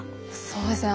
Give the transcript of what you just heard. そうですね